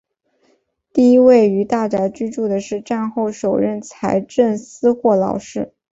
第一位于大宅居住的是战后首任财政司霍劳士。